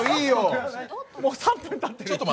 もう３分たってる。